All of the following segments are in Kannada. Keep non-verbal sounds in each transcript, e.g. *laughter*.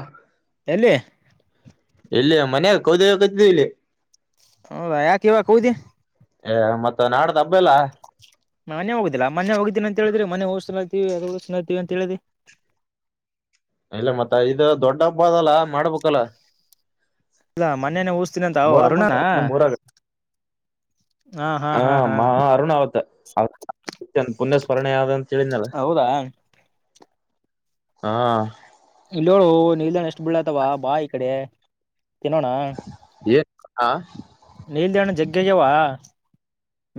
ಹ ಎಲ್ಲಿ ಇಲ್ಲಿ ಮನ ಕೌದ ಕತಲ್ಲಿ ಹೌ ಯಾ ಕೆವ ಕೋದ ಮತ್ತತ್ ನಾಡ ತಬ್ಬಲ್ಲ ಮನೆ ಹೋಗುದಿಲ್ಲ ಮನೆ ಹೋಗಿದ್ದಿನಿ ಅಂತ ಹೇಳಿದ್ರಿ ಮನೆ ಹೋ್ತಲತೀವಿ ಅದ ಹೋತೀವಿ ಅಂತ ಹೇಳಿದ್ರಿ ಇ ಮತ್ತ ಇದು ದೊಡ್ಡ ಹಬ್ಬ ಅದಲ್ಲ ಮಾಡ್ಬೇಕಲ್ಲ ಇಲ್ಲ ಮೊನ್ನೆಯನೆ ಊಸ್್ತೀನಿ ಅಂತ ಅವ ಮೊರಮ್ಮ ಅರುಣಾನ ಅಂತ ಹಮ್ಮ ಅರುಣ್ ಅವತ್. ಪಣ್ಯಸ್ಮರಣೆ ಆದಾದಂತ. ಹೌದಾ. ಹಾ. ಇಲ್ಲೋಳು ನಿಲ್ದಾಣ್ ಎಷ್ಟು ಬೀಳ್ಳತವ ಬಾ ಈ ಕಡೆ. ತಿನ್ನೋಣ. ಹಾ.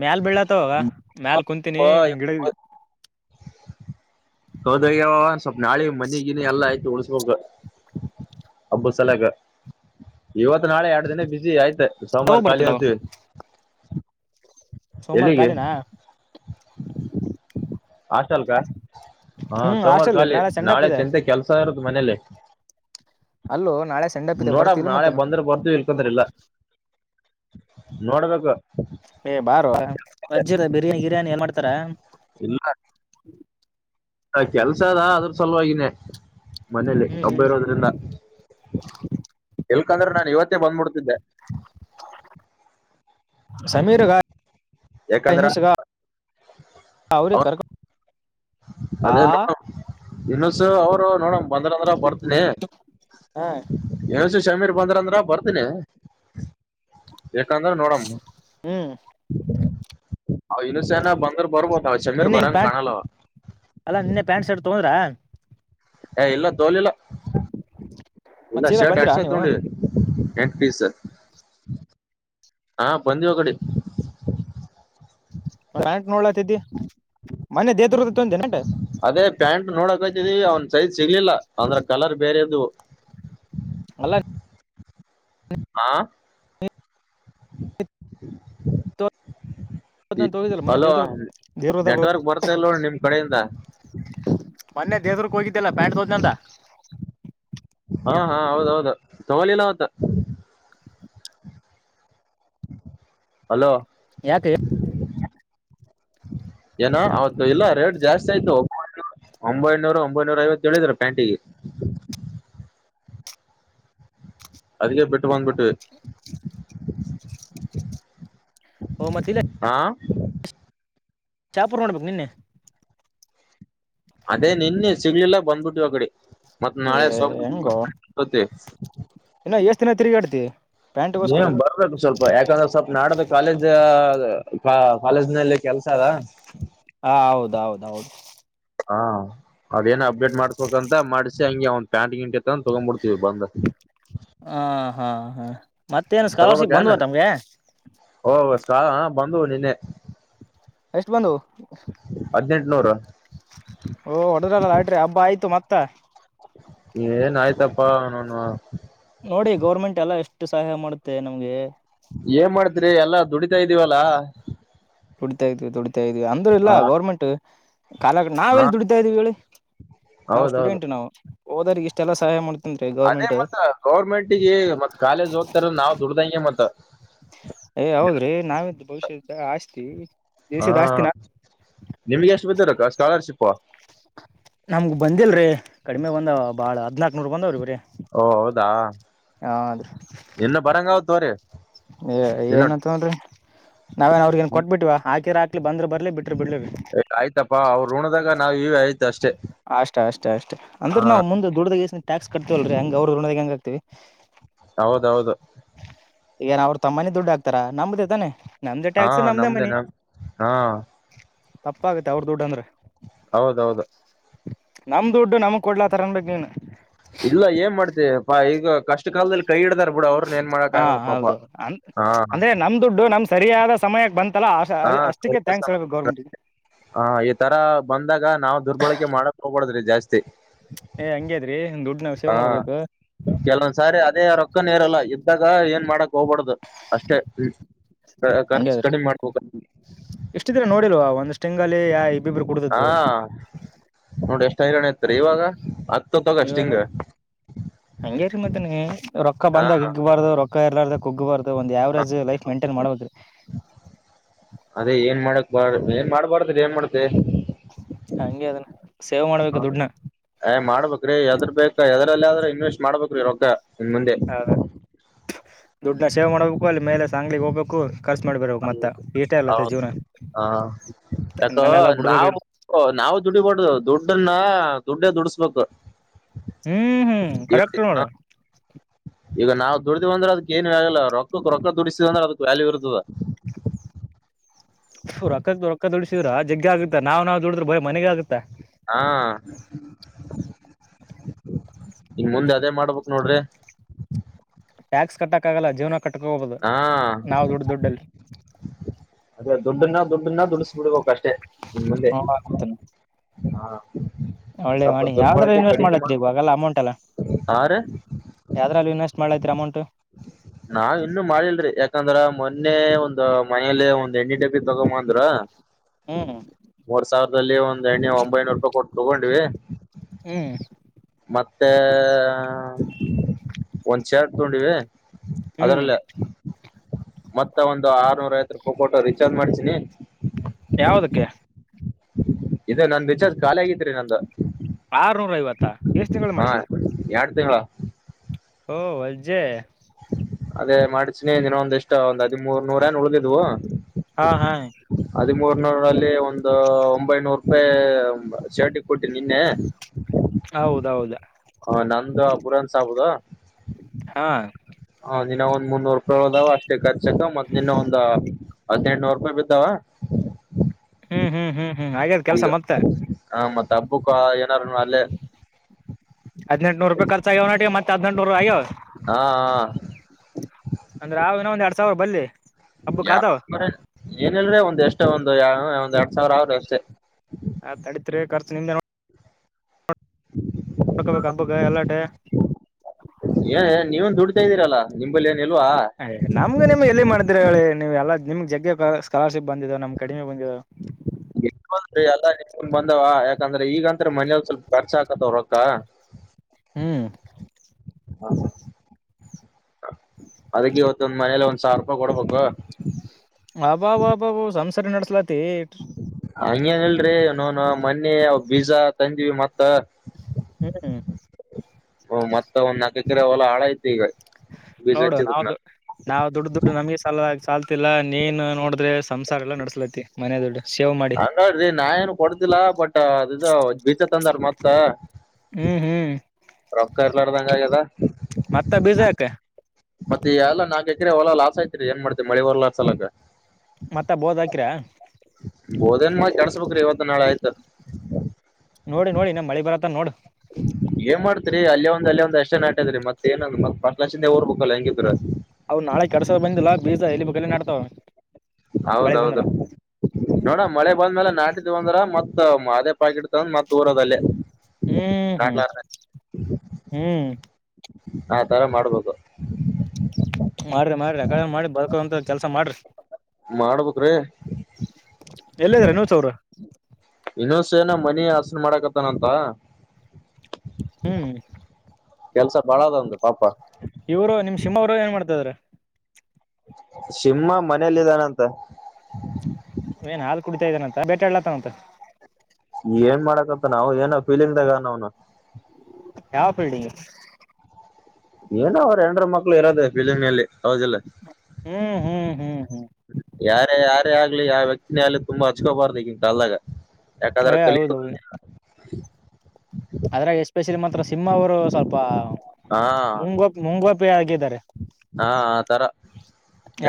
ಮ್ಯಲ್ ಬೆೀಳ್ಲತ್ತವೋಗ ಮ್ಯಾಲ ಕುಂತೀಿನಿ ಗಿಡ. ಹೌದ್ಯವ ಒ ಸ್ವಲ್ಪ ನಾಳೆ ಮನೆಿಗಿನ ಎಲ್ಲ ಐ್ತಿು ಉಳಸ್ಬೇಕ ಹಬ್ಬದ ಸಲಯಕ ಇವತ್ತು. ಮ ನಾಳೆ ಎರಡು ದಿನ ಬಿಸಿ ಆಯ್ತ ಸೋಮವಾರ ಯಾವಾಗ ಖಾಲಿ ಬರ್ತದಾವ ಹೋಗ್ತವಿ. ಸೋಮವಾರ ಕಾಲನಾ. ಆಶಾಲ್ಕ ಹಾ ಹ್ಮ್ ಸೋಮವಾರ ಹಾಸ್ಟೆಲ್ ಖಾಲಿ ಸೆಂಡಪ್ ನಾಳೆ ಇದೆ ಚಂತೆ ಕೆಲ್ಸ ಇರದು ಮನೇಲಿ ಅಲ್ಲೂ ನಾಳೆ ಸೆಂಡಪ್ ಇದೆ ನೋಡ ಬರ್ತಿಲ್ಲ ನಾಳೆ ಮತ್ತೇನು ಬಂದ್ರ ಬರ್ತವಿ ಇಲ್ಕಂತ್ರ ಇಲ್ಲ. ನೋಡ್ಬೇಕು. ಬಾರ. ಬಜ್ಜ ಬಿರಿಯಿ ಗಿರಿಯಿ ಏ ಮಾಡ್ತಾರ. ಇಲ್ಲ ಹ ಕೆಲ್ಸ ಅದ ಅದ್ರ ಸಲುವಾಗಿನೆ ಮನೇಲಿ ಹ್ಮ್ ಹಬ್ಬ ಹ್ಮ್ ಇರೋದ್ರಿಂದ ಎಲ್ಕಂದ್ರೆ ನಾನ್ ಇವತ್ತು ಇವತೆ ಬಂದ್ಬಿಡ್ತಿದ್ದೆ ಸಮೀರ್ಗ ಯಾಕಂದ್ರ ಅವ್ರೇ ಕರ್ಕ ಅದೇನು ಅವರು ನೋಡಮ್ ಬಂದ್ರ ಅಂದ್ರ ಬರ್ತನಿ ಹಾ ಹೇಳಿಸಿ ಸಮೀರ್ ಬಂದ್ರ ಅಂದ್ರ ಬರ್ತನಿ ಯಕಂದ್ರ ನೋಡಮ್ಮ ಹ್ಮ್ ಆವ ಸೇನಾ ಬಂದ್ರ ಬರ್ಬೋದು ಹ ಚಂದನ್ ಬರನ್ ಕಾಣಲ್ಲ ಅಲ್ಲ ನಿನ್ನೆ ಪ್ಯಾಂಟ್ ಶರ್ಟ್ ತಕೊಂದ್ರ ಇಲ್ಲ ತೋಲಿಲ್ಲ ಮತ್ ಇಲ್ಲ ಸೀದಾ ಶರ್ಟ್ ಬಂದಿರಾ ಎಕ್ಸ್ ಎಲ್ ನೀವು ತಗೊಂಡಿದೆ ಪೀ ಸರ್ ಹಾ ಬಂದಿಹೋಗಡಿ ಪ್ಯಾಂಟ್ ನೋಡ್ಲಾತಿದ್ದಿ ಮನೆ ದೇದರದ್ದ ತೊಂದ ನಂಟ ಅದೇ ಪ್ಯಾಂಟ್ ನೋಡಕತಿದವಿ ಅವ್ನು ಸೈಜ್ ಸಿಗ್ಲಿಲ್ಲ ಅಂದ್ರ ಕಲರ್ ಬೇರೆದು ಅಲ್ಲ ಆ *unintelligible* ಈ ಹೋಗಿದ್ದಲ್ಲ ಮೊನ್ನೆ ಅಲೋ ದೇವದುರ್ಗ ದೇವದುರ್ಗದಾಗ ನೆಟ್ವರ್ಕ್ ಬರ್ತಾಲ್ ನಿಮ್ ಕಡೆಯಿಂದ ಲ್ಲ ಪ್ಯಾಂಟ್ ತೋದಂತ ಹಾ ಹಾ ಹೌದೌದು ತಗೊಳ್ಳಿಲ್ಲ ಅವತ್ತ ಹಲೋ ಯಾಕೆ ಏನು ಅವತ್ತು ಇಲ್ಲ ರೇಟ್ ಜಾಸ್ತಿ ಆಯ್ತು ಒಂಬೈನೂರ ಒಂಬೈನೂರ ಐವತ್ತು ಹೇಳಿದ್ರ ಪ್ಯಾಂಟಿಗೆ ಅದಕ ಬಿಟ್ಟ ಬಂದ್ಬಿಟ್ವಿ ಓ ಮತ್ ಹಾ ಚಾಪೂರ್ ನೋಡಬೇಕು ನಿನ್ನೆ ಅದೇ ನಿನ್ನೆ ಸಿಗ್ಲಿಲ್ಲ ಬಂದ್ಬಟ್ಟು ಅ ಕಡೆ ಮತ್ತ ಏ ನಾಳೆ ಹೆಂಗೋ ಸೋಮಾವಾರ ತಿರುಗಾಡ್ತೀ ನೀನ್ ಬರ್ಬೇಕು ಸ್ವಲ್ಪ ಯಾಕಂದ್ರೆ ಸ್ವಲ್ಪ ನಾಡ್ದ ಕಾಲೇಜ್ ಕಾಲೇಜ್ ನಲ್ಲಿ ಕೆಲಸ ಅದಾ ಹಾ ಹೌದೌದ್ ಹೌದು ಹಾ ಅದೇನ ಅಪ್ಡೇಟ್ ಮಾಡ್ಸ್ಬೇಕಂತ ಮಾಡಸಿ ಹಂಗೆ ಅವ್ ಪ್ಯಾಂಟ್ ಗಿಂಟಿತ್ತ ತಗೊಂಡ್ಬಿಡ್ತವಿ ಬಂದ ಹಾ ಹಾ ಹಾ ಮತ್ತೇನು ಸ್ಕಾಲರ್ಶಿಪ್ ಬಂದ್ವ ತಮ್ಗೆ ಕ ಬಂದ ನಿನ್ನೆ ಎಷ್ಟು ಬಂದು ನೂರ ಓ ಹೊಡ್ರಲ್ಲ ಲಾಟ್ರಿ ಹಬ್ಬ ಆಯ್ತು ಮತ್ತ ಏನ್ ಆಯ್ತಪ್ಪಾ ನೋ ಹಾ ನೋಡಿ ಗೌರ್ಮೆಂಟ್ ಎಲ್ಲ ಎಷ್ಟು ಸಹಾಯ ಮಾಡುತ್ತೆ ನಮ್ಗೆ ಏನ್ ಮಾಡ್ತ್ರಿ ಎಲ್ಲಾ ದುಡಿತಾ ಇದ್ದೀವಲ್ಲಾ ದುಡಿತಾ ಇದ್ದೀವಿ ದುಡಿತ ಇದವಿ ಅಂದ್ರ ಇಲ್ಲ ಗೌರ್ಮೆಂಟ್ ಕಾಲ ಹಾ ನಾವೆಲ್ಲಿ ದುಡಿತಾ ಇದೀವಿ ಹೇಳಿ ನಾವು ಹೌದೌದು ಸ್ಟೂಡೆಂಟ್ ನಾವು ಹೋದ್ರರಿಗೆ ಇಷ್ಟ ಎಲ್ಲ ಸಹಾಯ ಮಾಡ್ತಾರೆ ಅದೇ ಮತ್ತ ಗೌರ್ಮೆಂಟಗ ಮತ್ ಕಾಲೇಜ್ ಹೋಗ್ತಾರ ನಾವ್ ದುಡ್ದಂಗೆ ಮತ್ತ ಏ ಹೌದ್ರಿ ನಾವ್ದು ಭವಿಷ್ಯದ ಆಸ್ತಿ ತ್ತ ಹಾ ನಿಮ್ಗೆ ಎಷ್ಟು ಬೊತ್ತರಕ್ಕ ಸ್ಕಾಲರ್ಶಿಪ್ ವಾ ನಮ್ಗ ಬಂದಿಲ್ರರಿ ಕಡಿಮೆ ಬಂದವ ಬಾಳ ಹದ್ನಾಕ್ನೂರ್ ಬಂದಾವ್ರೀ ಬರೇ ಹೌದಾ ಹದ್ರಿ ಇನ್ನು ಬರಂಗಾವ್ ತೋರಿ ಏ ಇನ್ನು ಏನಂತನ್ ನಾವೇನ್ ಅವ್ರಗ ನ್ ಕೊಟ್ಬಿಟ್ಟಿವ ಹಾಕಿರಾಕ ಬಂದ್ರ ಬ ಆಯ್ತಪ್ಪಾ ಅವ್ರು ಋಣದಾಗ ನಾವುವಿಯ್ ಅಷ್ಟ ಅಷ್ಟೇ ಅಷ್ಟ ಹಾ ಅಂದ್ರ ನಾವು ಮುಂದ ದುಡ್ದಾಗಸ ಟ್ಯಾಕ್ಸ್ ಕಟ್ತವಲ್ರಿ ಹಂಗ ದ ಹೆಂಗಗೆ ಆಗ್ತವಿ ಹೌದೌದು ಏನ್ ಅವ್ರ ತಮ್ಮನೇ ದುಡ್ಡು ಹಾಕ್ತಾರ ನಂಬ್ದ ತಾನೆ ನಮ್ದೇ ಹಾ ಟ್ಯಾಕ್ಸ್ ನಮ್ದೇ ನಮ ಹಾ ತಪ್ಪಾಗತ್ತೆ ಅವ್ರ ದುಡ್ಡ ಅಂದ್ರೆ ಹೌದೌದು ನಮ ದುಡ್ಡು ನಮಗ್ ಕೊಡ್ಲಾತರನ್ ಬಗ್ ನೀನು ಇಲ್ಲ ಏನ್ ಮಾಡ್ತ ಹ ಈಗ ಕಷ್ಟ ಕಾಲದಲ್ಲಿೈ ಹಿಡ್ದ ಹಾ ಹೌದುೌದು ಅ ಹಾ ಅಂದ್ರೆ ನಮ್ ದುಡ್ಡು ನಮ ಸರಿಯಾದ ಸಮಯಕ್ಕೆ ಬಂತ *unintelligible* ಹ ಹ ಈ ತರ ಬಂದಾಗ ನಾವ್ ದುರ್ಬಳಕೆ ಮಾಡಕ್ ಹೋಗ್ಬಡುದ್ರಿ. ಏ್ ಹಂಗೇದ್ರಿಂದು. ಹಾ ಕೆಲವೊಂದ್ಸಾರಿ ಅದೇ ರೊಕ್ಕನ್ ಇರಲ್ಲ ಇದ್ದಾಗ ಏನ್ ಮಾಡಕ್. ಹೋಗ್ಬಡ್ದ ಅಷ್ಟೇ. ಹಂಗ ಖರ್ಚು ಅದ್ರೆ ಕಡಿಮೆ ಮಾಡ್ಬೇಕ ಇಷ್ಟಿದ್ರೆ ನೋಡಿಲ್ವಾ ಒಂದಷ್ಟ. ಚಂಗಗಳ ಆಯ ಹಾ ನೋಡಿ ಎಷ್ಟ ತೈರಾಣ ಹತ್ರ ಇವಾಗ ತಗಷ್ಟ ಇವಾಗ ಹಿಂಗ ಹಂಗೇರಿ ಮದನ ರೊಕ್ಕ ಹ ಬಂದಾಗ ಹಿಗ್ಬಾರ್ದು ರೊಕ್ಕ ಕರ್ ಕುಗ್ ಬಾರದು ಒಂದು ಯಾವವರಜ್ ಅದೇ ಏನ್ ಮಾಡಕ್ ಬಾರ ಏನ್ ಮಾಡ್ಬಾರ್ದ್ರ ಏನ್ ಮಾಡಕ್ ಹ ಹಂಗೆ ಅದನ್ನ ಸೇವ್ ಹ ಮಾಡ್ಬೇಕು ದುಡ್ನ ಏ ಮಾಡ್ಬೇಕೇ್ರೀ ಯದ್ರ ಬೇಕ ಎದ್ರಲ್ಲಿ ಆದ್ರೆ ಇನ್ವೆಸ್ಟ್ ಮಾಡ್ಬೇಕ್ರಿ ರ ಇನ್ ಮುಂದೆ ದುಡ್ಡನ್ನ ಸೇವ್ ಮಾಡಬೇಕು ಅಲ್ಲಿ ಮೇಲೆ ಸಾಂಗ್ಡಿಗೆ ಹೋಗ್ಬೇಕು ಖರ್ಚು ಮಾಡಿ ಬರ್ಬೇಕು ಹ ಮತ್ತ ಈಟೇ ಅಲತ್ತ ಹೌದು ಜೀವನ ಹ ಇನ್ ಯಾಕ ಮೇಲೆ ಎಲ್ಲ ಬಿಡ್ಬೇಕ್ರಿ ನಾವು ನಾವು ದುಡಿಬಡುದು ದುಡ್ಡನ್ನ ದುಡ್ಡ ದುಡಿಸಸ್ಬೇಕು ಹ್ಮ್ ಹ್ಮ್ ಕರೆಕ್ಟ್ ನೋಡ ಈಗ ನಾವವು ದುಡ್ದಿವ್ ಅಂದ್ರೆ ಅದಕ್ ಏನ್ ಆಗಲ್ಲ ರೊಕ್ಕಕ್ ರೊಕ್ಕ ದುಡಿಸಿವಂದ್ರೆ ಅದಕ್ ವ್ಯಾಲ್ಯೂ ಇರ್ತದ ಹ ರೊಕ್ಕ ರೊಕ್ಕ ದುಡಸಿದ್ರ ಜಗ್ಗ ಆಗತ್ತ ನಾವ ನಾವ್ ದುಡಿದ್ರ ಭಯಿ ಮನಿಗ ಆಗುತ್ತಾ. ಹಾ ಇನ್ಮುಂದ್ ಅದೇ ಮಾಡ್ಬೇಕ ನೋಡ್ಲೆ. ಟ್ಯಾಕ್ಸ್ ಕಟ್ಟಕ್ಕಾಗಲ್ಲ ಜೀವನ ಕಟ್ಕೊಬೋದ ಹಾ ನಾವ ದದುಡ್ ದುಡ್ಡಲ್ಲಿ. ದುಡ್ಡನ್ನ ದುಡ್ಡನ್ನ ದುಡಿಸ್ ಬಿಡ್ಬೇಕು ಅಷ್ಟ. ಟ್ ಇನ್ಮುಂದೆ. ಹಾ. ಒಳ್ಳೆವಿ ಯಾವ್ದ್ರಗ್ ದುರ್ಬಳಕೆ ಇನ್ವೆಸ್ಟ್ ಕಡಿಮೆ ಮಾಡ್ಲತ್ರಿ ಮಾಡ ಇಗವಾಗಲ್ಲ ಅಮೌಂಟ್ ಅಲ್ಲಾ ಹಾ ರೀ ಯಾವ್ದ್ರಾಗ ಇನ್ವೆಸ್. ಮಾಡ್ಲಾತೀರ್ ಅಮೌಂಟ. ನಾವ ಇನ್ನು ಮಾಡಿಲ್ರಿ ಯಾಕಂದ್ರ ಮೊನ್ನೆ ಒಂದ ಮನೇಲ್ಲ ಒಂದು ಒ ಎಣ್ಣಿಡಬ್ಬಿ ತಗೊಂಡ ಬಾ ಅಂದ್ರ ಹ್ಮ್ ಮೂರ್ ಸಾವಿರದಲ್ಲಿ ಒಂದ್ ಎಣ್ಣೆ ಒಂಬೈನೂರು ರೂಪಾಯಿ ಕೊಟ್ಟ ತೋಗೊಂಡ್ವಿ. ಹ್ಮ್ ಮತ್ತೆ ಒಂದ್ ಶರ್ಟ್ ತೊಂಡಿವಿ ಹ್ಮ್ ಅದರಲ್ಲ ಮತ್ತ ಒಂದ ಆರ್ನೂರ ಐವತ್ತ ರೂಪಯ್ ಕೊಟ್ಟ ರೀಚಾರ್ಜ್ ಮಾಡ್ಸಿನಿ. ಯಾವದಕ್ಕೆ? ಇದ ನನ್ ರಿಚಾರ್ಜ್ ಖಾಲಿ ಆಗಿತ್ತ್ರಿ ನಂದ. ಆರ್ನೂರ ಐವತ್ತಾ ಎಷ್ಟು ತಿಂಗಳು ಮಾಡಿಸಿ? ಎರಡ್ ತಿಂಗಳ ಓ ವಜ್ಜೆ ಅದೇ ಮಾಡ್ಸಿನಿ ಇನ ಒಂದಿಷ್ಟ ಒಂದ ಹದಿಮೂರ್ ನೂರ ಎನ್ ಉಳದಿದ್ವು. ಹಾ ಹಾ ಲ್ಲಿ ಒನ್ ಒಂದು ಒಂಬೈನೂರು ರೂಪಾಯಿ ಶರ್ಟಿಿಗೆ ಕೊಟ್ಟಿ ನಿನ್ನೆ ಹೌದೌದು ನಂದು ಪುರನ್ ಸಬುದು ಹಾ ಹಾ ಇನಾ ಒಂದ ಮುನ್ನೂರು ಉಳದಾವ ಅಷ್ಟೇ ಖರ್ಚಕ ಮತ್ ಇನ್ನ ಒಂದ ಹದಿನೆಂಟನೂರ ರೂಪಾಯಿ ಬಿದ್ದಾವ. ಹ್ಮ್ ಹ್ಮ್ ಹ್ಮ್ ಆಗ್ಯದ್ ಕೆಲ್ಸ ಈಗ ಮತ್ತೆ ಹ ಮತ್ತ ಹಬ್ಬಕ್ಕ ಏನಾರುನು ಅಲ್ಲೇ ಹದ್ನೆಂಟನೂರು ರೂಪಾಯಿ ಖರ್ಚ ಆಗ್ಯಾವ್ ಅನಟಿಗೆ ಮತ್ತ ಹದ್ನೆಂಟನೂರ ಆಗ್ಯಾವ್ ಹಾ ಅಂದ್ರ ಆವ್ ಇನ್ನ್ ಒಂದ್ ಎರಡ್ ಸಾವ್ ಬಲ್ಲಿ ಹಬ್ಬಕ್ ಯ ಆತಾವ *unintelligible* ಏನಲ್ರ ಒಂದ್ ಎಷ್ಟೋ ಒಂದು ಯ ಒಂದ್ ಎರಡ್ ಸಾವಿರ ಆವರಿ ಅಷ್ಟೇ. ನಿಮ್ದು ನೋಡ್ಕೊಬೇಕ ಹಬ್ಬ ಗ ಎಲ್ಲಾಟೆ ಇದೀರಲ್ಲ ನಿಂಬಲ್ಲಿ ಇಲ್ವಾ ಅ ನಮ್ಗ ನಿಮ್ಗೆ ಎಲ್ಲಿ ಮಾಡ್ತೀರ ಎಳೆ ನೀವು ಎಲ್ಲ ನಿಮ್ಗ್ ಜಗ್ಗೆ ಸ್ಕಾಲರ್ಶಿಪ್ ಬಂದಿದ ನಮ್ ಕಡಿಮೆ ಬಂದಿದ ಎಲ್ಲಾ ನಿಕೊಂಡ್ ಬಂದಾವ ಯಾಕಂದ್ರೆ ಈಗಂತ್ರ ಮನೇಲ್ ಸ್ವಲ್ಪ ವರ್ಚ ಹಾಕತ್ವ್ರ ರೊಕ್ಕ ಹ್ಮ್ ಹ ಅದಕ್ಕೆ ಇವತ್ತೊಂದ್ ಮನೇಲಿ ಒಂದ್ ಸಾವಿರ ರೂಪಾಯಿ ಕೊಡ್ಬೇಕು ಅಬಾಬಬಾಬ ಸಂ ಸರಿ ನಡ್ಸಲಾತಿ ಹಂಗ್ಯಾಂಗಲ್ರಿ ನೋನು ಮನೆ ಬೀಜ ತಂದೀವಿ ಮತ್ತ ಹ್ಮ್ ಓ ಮತ್ತ ಒಂದ್ ನಾಕ ಎಕರೆ ಹೊಲಾ ಹಳ ಇತ್ ನೋಡು ನಾವುದು ನಾವು ದುಡ್ಡು ದುಡ್ಡು ನಮಗೆ ಸಾಲ ಸಾಾಲ. ಲ್ಲ ನೀನ್ ನೋಡಿದ್ರೆ. ಸಂಸಾರ ಎಲ್ಲ ನಡೆಸ್ಲತಿ ಮನೆಯ ದೊಡ್ಡು ಶೇವ್ ಮಾಡಿ ಮ ಅದು್ ಬೀಜ ತಂದಾರ ಮತ್ತ ಹ್ಮ್ ಹ್ಮ್ ರೊಕ್ಕ ಎರ್ಲ್ಲಡ್ದಂಗ ಕದ ಮತ್ತ ಬೀಜ ಹಾಕ ಮತ್ತೆ ಎಲ್ಲ ನಾಕಕ್ರ ಹೊಲ ಲಾಸ್ ಐತಿರಿ ಏನ್ ಮಾಡ್ತತಿ ಮಳಿ ಹೊರ್ ಲಾಸ್ ಅಲಕ ಮತ್ತ ಬೋದ್ ಹಾಕಿರ ಬೋಧನ್ ಮಾಡ ಕಳ್ಸ್ಬೇಕ್ರೀ ಇವತ್ತು ನಾಳೆ ಆಯ್ತ ನೋಡು ೀ ಅಲ್ಲಿ ಒಂದ ಅ ಒಂದಷ್ಟ ನಟ ಅದೀ ಮತ್ತತ್ ಏಂದ ಮತ್ ಪ ಕ ಲಕ್ಷಿಂದ ಹೋಗಬೇಕಕ್ಲ್ಲ ಹೆಂಗಿದರ ಅವ್ ನಾಳೆ ಕಡ್ಸೋ ಬಂದಿಲ್ಲ ಬೀಜ ಎಲ್ಲಿ ಬಗ್ಲ್ಲ ನಡ್ತಾವ. ಹೌದೌದು ನೋಡ ಮಳೆ ಬಂದ್ಮೇಲೆ ನಾಟಿದ್ ಅಂದ್ರ ಮತ್ತ ಅದೇ ಪಾಕಿ ಇಡ್ತ ಮತ್ತತ್ ಊರೋದಲ್ಲೇ ಹ್ಮ್ ಹ್ಮ್ ಹ್ಮ್ ಆ ತರ ಮಾಡ್ಬೇಕು ಮಾಡ್ರಿ ಮಾಡ್ರಿ ಅಡೆ ಮಾಡಿ ಬರ್ಕೊಂತ ಕೆಲ್ಸ ಮಾಡ್ರಿ ಮಾಡ್ಬೇಕಕ್್ರೀ ಎಲ್ಲಿದ್ರ ನೀವ್ಸ ಅವ್ರು ಇನ್ನೊ ಸೇಏನ ಮನಿ ಆಸನ ಮಾಡಕತ್ತಾನಂತ ಹ್ಮ್ ಕೆಲ್ಸ ಬಾಳದ ಒಂದು ಪಾಪ ಇವ್ರು ನಿಮ್ ಸಿಂಹವರು ಏನ್ ಮಾಡ್ತಾಾರೆ ಶಮ್ಮ ಮನೇಲ್ಲ ಇದಿದ್ದಾನಂತ ಏನ್ ಹಾಲು ಕುಡಿತಾ ಇದ ನ ಬೇಟಾಡ್ಲತ ಅಂತ. ಏನ್ ಮಾಡಕತ್ ನಾವು ಏನ ಫೀಲಿಂಗ್ದಾಗ ನವ್ನು. ಯಾವಫೀಲ್ಡಿಂಗ್ ಏನೋ ಅವರು ಎಂಡರ ಮಕ್ಳು ಇರೋದ ಬಿಜಣಲ್ಲಿ. ಹೌದಲ್ಲ ಹ್ಮ್ ಹ್ಮ್ ಹ್ಮ್ ಹ್ಮ್ ಯಾರ ಯಾರ. ಮ ಆಗ್ಲಿ ಆ ವ್ಯಕ್ತಿಿನ ಅಲ್ಲಿ ತುಂಬಾ ಹಚ್ಕೋಬಾರ್ದುಕ್ಕಿಂತ ಈಗಿನ ಕಾಲದ. ಯ ಅವದ. ಅದ್ರಾಗ ಎಷ್ಟಪೆ. ಮಾತ್ರ ಸಿಂಹ ಅವರು ಸ್ವಲ್ಪ. ಹಾ ಮುಂಗೋಪ್ ಮುಂಗೋಪಿ ಆಗಿದ್ದಾರೆ ಹಾ ಆ ತರ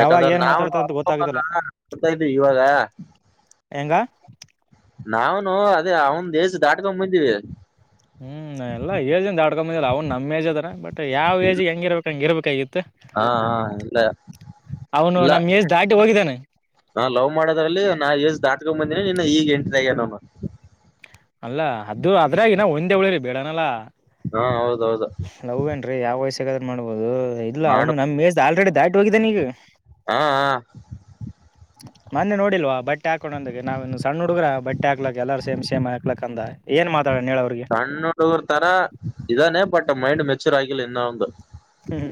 ಯಾವಾಗ ಏನ್ ನಾವತಾ ಮಾತಾಡ್ತಾರ ಅಂತ ಗೊತ್ತಾಗುದಿಲ್ಲ ಇದವಿ ಇವಾಗ ಹೆಂಗ ನಾವನು ಅದೇ ಅವನ್ ದೇಶ ದಾಟ್ಕೊಂಡ್ ಬಂದೀವಿ ಹ್ಮ್ ಎಲ್ಲ ಏಜ್ಂದ ಆಡ್ಕೊಂಬಂದಿಲ್ಲ ಅವ್ ನಮ್ಮ್ಏಜ್ ಅದಾರ ಬಟ್ ಯಾವ ಏಜ್ ಹೆಂಗಿರ್ಬೇಕಕ್ ಹಂಗಿರ್ಬೇಕಕ್. ಕೈ. ಹಾ ಹಾ ಇಲ್ಲ ಅವನು ಇಲ್ಲ ನಮ್ ಏಜ್ ದಾಟಿ ಹೋಗಿದ್ದಾನೆ ನಾ ಲವ್ ಮಾಡೋದ್ರಲ್ಲಿ ನಾ ಎಷ್ಟ ದಾಟ್ಕೊಂಡ್ ಬಂದೀನಿ. ಈಗ ಎಂಟಿದಾಗ ನೋನು. ಅಲ್ಲ ಅದು ಅದ್ರ ನ ಒಂದ ಳಿರಿ ಬೇಡಾನಲ್ಲಾ ಹಾ ಹೌದೌದು ಮಾಡಬಹುದು ಹ ಇಲ್ಲ ಅವ್ನು ಮಾಡು ನಮ ಮೇಜ ಆಲ್ರೆಡಿ ದಾಟಿ ಹೋಗಿದ್ದ ನೀಗ ಹಾ ಹಾ ಮೊನ್ನೆ ನೋಡಿಲ್ ಬಟ್ಟ ಹಾಕೊಂಡ ಅಂದ ನಾವವು ಸಣ್ಣ ಹುಡುಗ್ರ ಬಟ್ಟೆ ಹಾಕ್ಲಕ್ ಎಲ್ಲಾರ ಸೇಮ್ ಸೇಮ ಹಾಕ್ ಅ ಏನ್ ಮಾಡ ಸಣ್ಣ ಹುಡುಗರ್ ತರ ಇದಾನೆ ಬಟ್ಟ ಮೈಂಡ್ ಮೆಚ್ಚುರ್ ಆಗಿಲ್ಲ ಇನ್ನ ಅವಂದು ಹ್ಮ್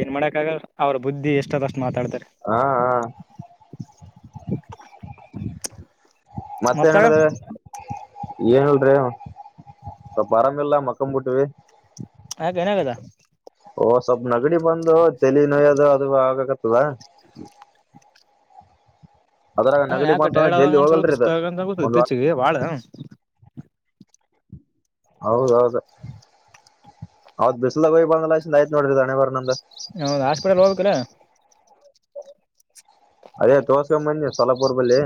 ಏನ್ ಮಾಡಕ್ ಆಗಲ್ ಅವ್ರ ಬುದ್ಧಿ ಎಷ್ಟದಷ್ಟು ಮಾತಾಡ್ತಾರೆ ಹಾ ಹಾ ಮತ್ತಾಗ ಮತ್ತೇನಡ್ದ ಏನ್ಲ್ರಿ ಸ್ವಲ್ಪ ಅರಾಮಿಲ್ಲ ಮಕ್ಕಂಬಂಬಿಟ್ವಿ ಹ ಏನಾಗದ ಓ ಸ್ವಲ್ಪ್ ನಗಡಿ ಬಂದು ತೆಲಿ ನೋಯದು ಅದು ಆಗಕತ್ತದ ಅದ್ರಾಗ ಹ್ಮ ನಗಡಿ ಯಾಕೆ ಬಂತಂದ್ರ ಟೈರ್ಡ್ ಜಲ್ದಿ ಆದಂಗ ಅನ್ಸೋದು ಹೋಗಲ್ರಿ ಇದು ಸುಸ್ತ ಒಂದ್ ವಾರ ಇದ್ದಚ ಬಾಳ ಹೌದೌದ ಅವದ ಬಿಸಲಾಗ ಹಯ್ ಬಂದಲ್ಲ ಆಯ್ತ್ ನೋಡ್ರ ನ ಹಾಸ್ಪಿಟಲ್ ಹೋಗ್ಬೇಕರಾ ಅದೇ ತೋಸಕಮ್ಮನ್ನಿ ಸೊಲಪೂರ್ಬಲ್ಲಿ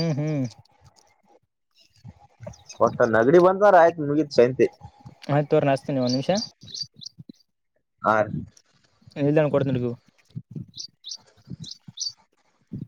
ಹ್ಮ್ ಹ್ಮ್ ಒಟ್ಟ ನಗಡಿ ಬಂದ ಆಯ್ತ್ ಮುಗೀತ್ ಸಂತಿ ಆಯ್ತು ತೋರ್ ನಸ್ತೀನಿ ಒಂದು ನಿಮಿಷ ಹ ಎಲ್ಲಾನ ಕೊಡತಡ್ಬೇಕು ಹ್ಮ